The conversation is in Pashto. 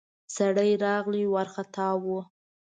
سړی راغی ، وارختا و.